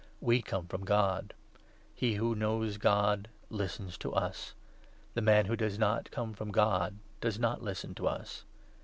We come from God. He who knows God listens to us ; the man who does not come from God does not listen to us.